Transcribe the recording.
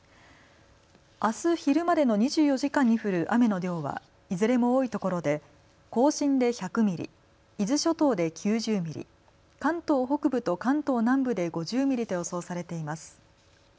あす昼までの２４時間に降る雨の量はいずれも多いところで甲信で１００ミリ、伊豆諸島で９０ミリ、関東北部と関東南部で５０ミリと予想されています。